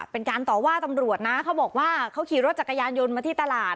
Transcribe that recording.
เป็นการต่อว่าตำรวจนะเขาบอกว่าเขาขี่รถจักรยานยนต์มาที่ตลาด